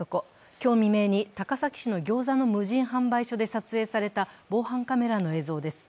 今日未明に高崎市のギョーザの無人販売店で撮影された防犯カメラの映像です。